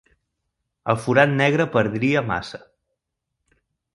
El forat negre perdria massa.